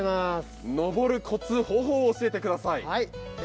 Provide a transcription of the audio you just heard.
登るこつ、方法を教えてください。